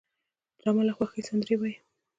ډرامه له خوښۍ سندرې وايي